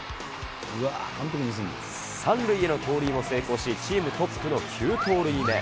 ３塁への盗塁も成功し、チームトップの９盗塁目。